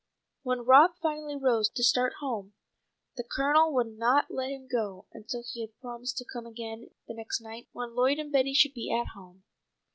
When Rob finally rose to start home, the Colonel would not let him go until he had promised to come again the next night, when Lloyd and Betty should be at home.